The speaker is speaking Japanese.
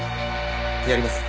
やります。